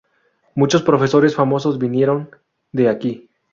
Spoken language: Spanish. Muchos profesores famosos vinieron de aquí.